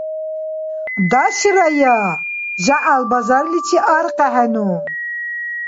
Даширая, жягӀял базарличи аркьехӀену